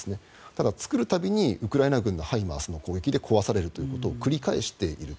ただ、作る度にウクライナのＨＩＭＡＲＳの攻撃で壊されるということを繰り返している。